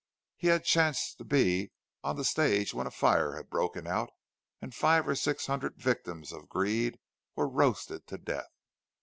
He had chanced to be on the stage when a fire had broken out, and five or six hundred victims of greed were roasted to death.